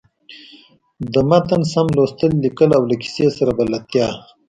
د متن سم لوستل، ليکل او له کیسۍ سره بلدتیا.